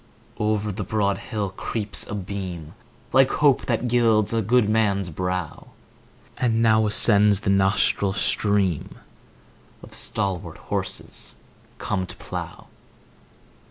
Over the broad hill creeps a beam, Like hope that gilds a good man's brow; 10 And now ascends the nostril stream Of stalwart horses come to plough.